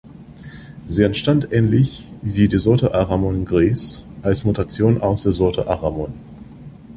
Sie entstand ähnlich wie die Sorte Aramon Gris als Mutation aus der Sorte Aramon.